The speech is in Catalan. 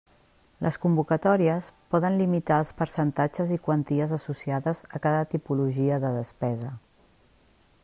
Les convocatòries poden limitar els percentatges i quanties associades a cada tipologia de despesa.